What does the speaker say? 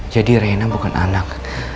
jadi reina bukan anak